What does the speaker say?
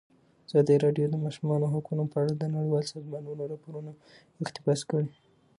ازادي راډیو د د ماشومانو حقونه په اړه د نړیوالو سازمانونو راپورونه اقتباس کړي.